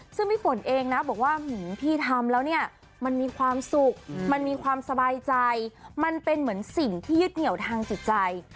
ซึ่งพี่ฝนเองนะบอกว่าพี่ทำแล้วเนี่ยมันมีความสุขมันมีความสบายใจมันเป็นเหมือนสิ่งที่ยึดเหนียวทางจิตใจ